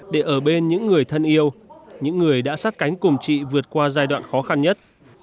để ở bên những người thân yêu những người đã sát cánh cùng chị vượt qua giai đoạn khó khăn nhất